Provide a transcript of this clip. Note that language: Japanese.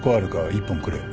１本くれ。